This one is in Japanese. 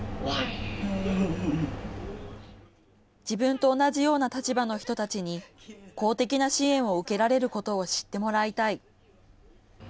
自分と同じような立場の人たちに公的な支援を受けられることを知ってもらいたい。